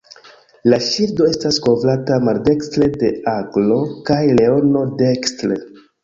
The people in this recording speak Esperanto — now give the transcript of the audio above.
La ŝildo estas kovrata maldekstre de aglo kaj leono dekstre.